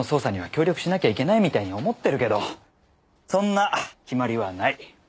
協力しなきゃいけないみたいに思ってるけどそんな決まりはない。